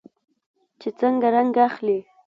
چې څنګه رنګ اخلي.